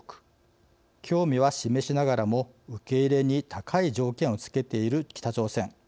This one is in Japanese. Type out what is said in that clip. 興味は示しながらも受け入れに高い条件をつけている北朝鮮。